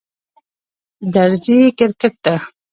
درځی کرکټ ته